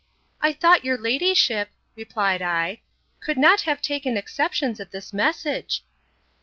I thought your ladyship, replied I, could not have taken exceptions at this message.